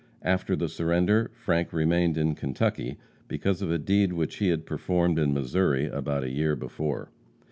After the surrender, Frank remained in Kentucky because of a deed which he had performed in Missouri about a year before.